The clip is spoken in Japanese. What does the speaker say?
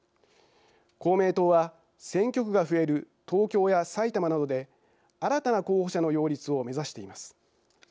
公明党は選挙区が増える東京や埼玉などで新たな候補者の擁立を目指しています。